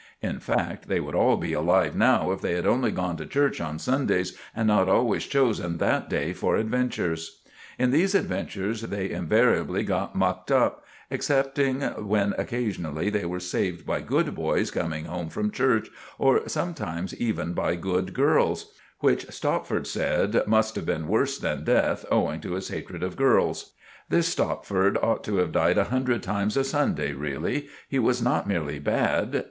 In fact, they would all be alive now if they had only gone to church on Sundays and not always chosen that day for adventures. In these adventures they invariably got mucked up, excepting when occasionally they were saved by good boys coming home from church, or sometimes even by good girls; which Stopford said must have been worse than death, owing to his hatred of girls. This Stopford ought to have died a hundred times a Sunday really. He was not merely bad.